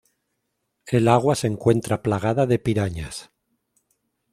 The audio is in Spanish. El agua se encuentra plagada de pirañas.